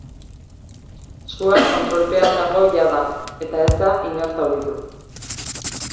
Sua kontrolpean dago jada, eta ez da inor zauritu.